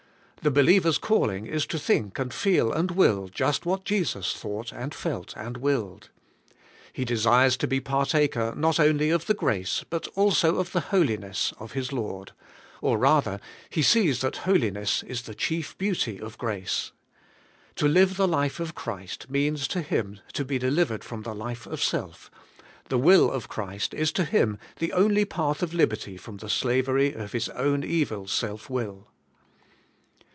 The believer's calling is to think and feel and will just what Jesus thought and felt and willed. He desires to be partaker not only of the grace but also of the holiness of His Lord; or rather, he sees that holiness is the chief beauty of grace. To live the life of Christ means to him to be delivered from the life of self; the will of Christ is to him the only path of liberty from the slavery of his own evil self will.